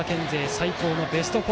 最高のベスト４。